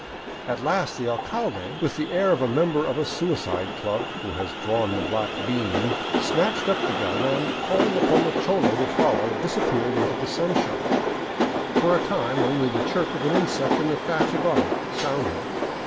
At last the alcalde, with the air of a member of a suicide club who has drawn the black bean, snatched up the gun and, calling upon the cholo to follow, disappeared into the sunshine. For a time only the chirp of an insect in the thatch above sounded.